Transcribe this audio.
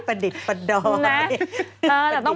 ทานสุพรรณเอง